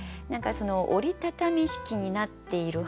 折りたたみ式になっている母。